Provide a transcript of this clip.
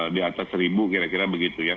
di atas seribu kira kira begitu ya